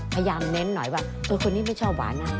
เน้นหน่อยว่าคนนี้ไม่ชอบหวานนะ